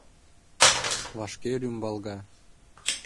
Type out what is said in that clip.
Вашке рӱмбалга.